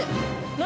何？